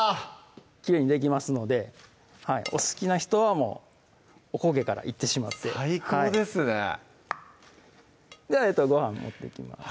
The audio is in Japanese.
きれいにできますのでお好きな人はおこげからいってしまって最高ですねではごはん盛っていきます